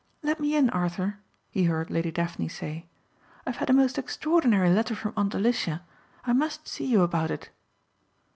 "Let me in Arthur," he heard Lady Daphne say, "I've had a most extraordinary letter from Aunt Alicia. I must see you about it."